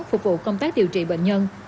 phục vụ công tác điều trị bệnh nhân